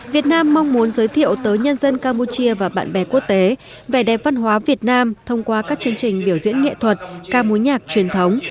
việt nam mong muốn giới thiệu tới nhân dân campuchia và bạn bè quốc tế vẻ đẹp văn hóa việt nam thông qua các chương trình biểu diễn nghệ thuật ca mối nhạc truyền thống